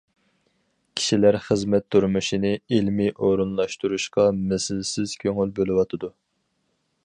كىشىلەر خىزمەت، تۇرمۇشىنى ئىلمىي ئورۇنلاشتۇرۇشقا مىسلىسىز كۆڭۈل بۆلۈۋاتىدۇ.